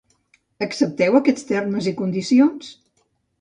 Accepteu aquests termes i condicions?